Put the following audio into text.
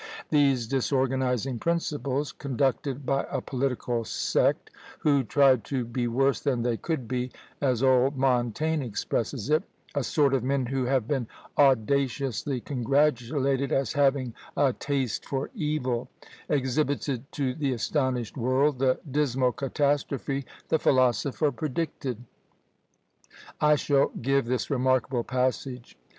These disorganizing principles, conducted by a political sect, who tried "to be worse than they could be," as old Montaigne expresses it; a sort of men who have been audaciously congratulated as "having a taste for evil;" exhibited to the astonished world the dismal catastrophe the philosopher predicted. I shall give this remarkable passage.